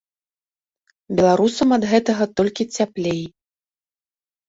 Беларусам ад гэтага толькі цяплей.